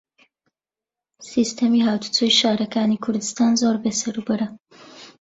سیستەمی هاتوچۆی شارەکانی کوردستان زۆر بێسەروبەرە.